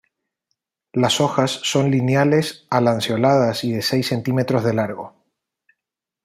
Las hojas son lineales a lanceoladas y de seis centímetros de largo.